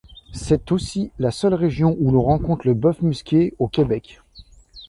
C'est aussi la seule région où l'on rencontre le bœuf musqué au Québec.